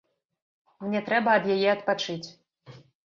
Мне трэба ад яе адпачыць.